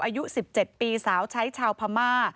อายุ๑๗ปีสาวใช้ชาวพม่า